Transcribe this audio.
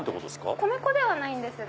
米粉ではないんですが。